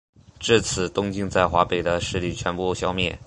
至此东晋在华北的势力全部消灭。